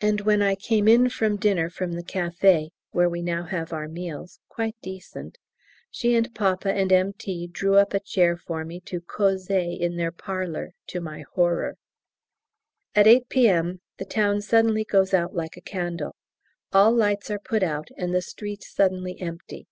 And when I came in from dinner from the café, where we now have our meals (quite decent), she and papa and M.T. drew up a chair for me to causer in their parlour, to my horror. At 8 P.M. the town suddenly goes out like a candle; all lights are put out and the street suddenly empty.